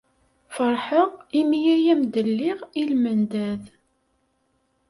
Feṛḥeɣ imi ay am-d-lliɣ i lmendad.